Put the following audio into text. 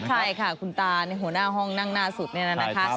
ใช่ค่ะคุณตาหัวหน้าห้องนั่งหน้าสุดนี่นะคะ